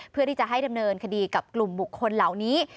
เพื่อที่จะให้ดำเนินคดีกับกลุ่มบุคคลเหล่านี้